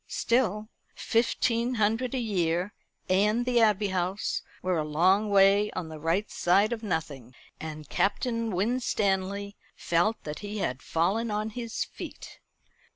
Still, fifteen hundred a year and the Abbey House were a long way on the right side of nothing: and Captain Winstanley felt that he had fallen on his feet.